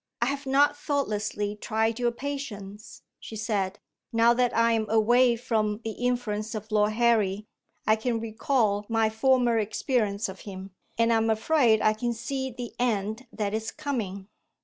"I have not thoughtlessly tried your patience," she said. "Now that I am away from the influence of Lord Harry, I can recall my former experience of him: and I am afraid I can see the end that is coming.